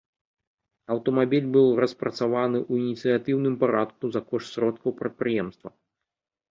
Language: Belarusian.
Аўтамабіль быў распрацаваны ў ініцыятыўным парадку за кошт сродкаў прадпрыемства.